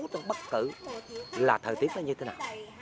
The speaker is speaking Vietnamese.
trong bất cứ là thời tiết nó như thế nào